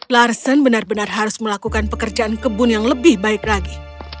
larsen benar benar harus melakukan pekerjaan kebun yang lebih baik lagi